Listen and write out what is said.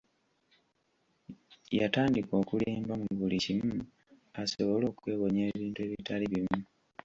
Yatandika okulimba mu buli kimu asobole okwewonya ebintu ebitali bimu.